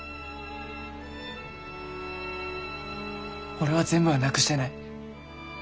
俺は全部はなくしてない。